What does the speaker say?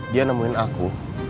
dia nemuin aku